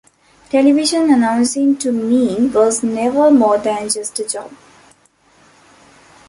Television announcing to me was never more than just a job.